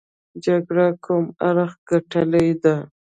جګړه کوم اړخ ګټلې ده.